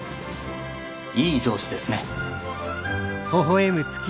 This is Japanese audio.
いい上司ですね。